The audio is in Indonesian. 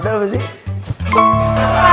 udah apa sih